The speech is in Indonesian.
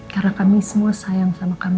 karena kami semua sayang sama kamu